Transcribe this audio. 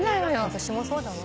私もそうだわ。